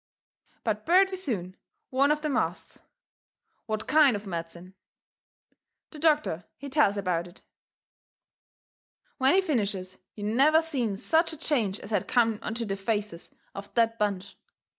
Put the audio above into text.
But purty soon one of them asts: "What KIND of medicine?" The doctor, he tells about it. When he finishes you never seen such a change as had come onto the faces of that bunch.